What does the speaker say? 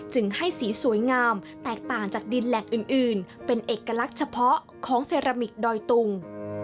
ให้สีสวยงามแตกต่างจากดินแหล่งอื่นเป็นเอกลักษณ์เฉพาะของเซรามิกดอยตุง